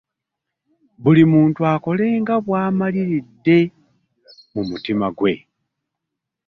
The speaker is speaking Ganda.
Buli muntu akolenga nga bw'amaliridde mu mutima gwe.